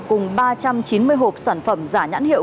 cùng ba trăm chín mươi hộp sản phẩm giả nhãn hiệu